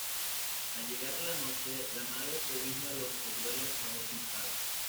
Al llegar la noche la madre cobija a los polluelos bajo sus alas.